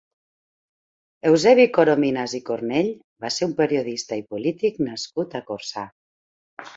Eusebi Corominas i Cornell va ser un periodista i polític nascut a Corçà.